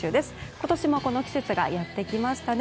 今年もこの季節がやってきましたね。